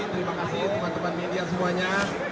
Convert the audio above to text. terima kasih teman teman media semuanya